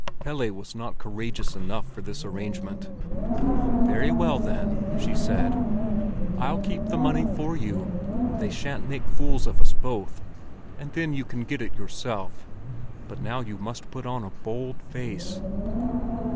Pelle was not courageous enough for this arrangement. "Very well, then," she said. "I'll keep the money for you. They shan't make fools of us both. And then you can get it yourself. But now you must put on a bold face."